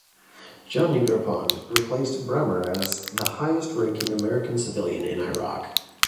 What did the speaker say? John Negroponte replaced Bremer as the highest-ranking American civilian in Iraq.